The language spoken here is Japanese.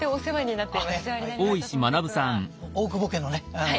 大久保家のね役を。